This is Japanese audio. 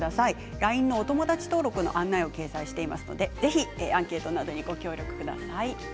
ＬＩＮＥのお友達登録の案内を掲載していますので、ぜひアンケートなどにご協力ください。